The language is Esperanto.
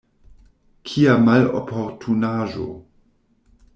Kia maloportunaĵo!